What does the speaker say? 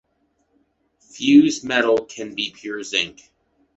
Fuse metal can be pure zinc.